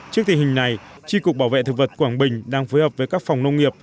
trước tình hình này tri cục bảo vệ thực vật quảng bình đang phối hợp với các phòng nông nghiệp